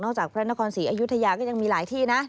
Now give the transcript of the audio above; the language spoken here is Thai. จากพระนครศรีอยุธยาก็ยังมีหลายที่นะ